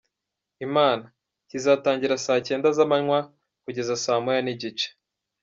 Imana, kizatangira saa cyenda z'amanywa kugeza saa moya n'igice.